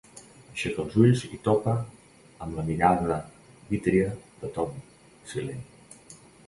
Aixeca els ulls i topa amb la mirada vítria del Tom, silent.